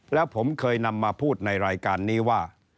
แล้วผมเคยนำมาพูดในรายการนี้ว่า